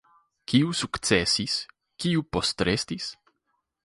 Kiu sukcesis, kiu postrestis?